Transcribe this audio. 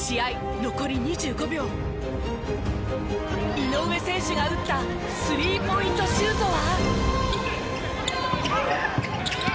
井上選手が打った３ポイントシュートは。